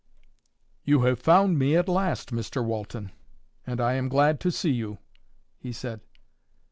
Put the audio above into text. "You have found me at last, Mr Walton, and I am glad to see you," he said.